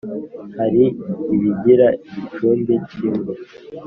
hari ibigira igicumbi kimwe